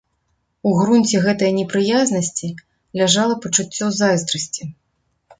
У грунце гэтае непрыязнасці ляжала пачуццё зайздрасці.